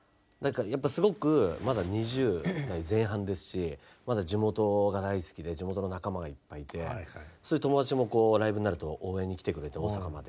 すごくまだ２０代前半ですし地元が大好きで地元の仲間がいっぱいいて友だちもライブになると応援に来てくれて大阪まで。